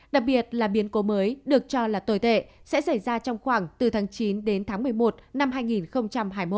đặc biệt là biến cố mới được cho là tồi tệ sẽ xảy ra trong khoảng từ tháng chín đến tháng một mươi một năm hai nghìn hai mươi một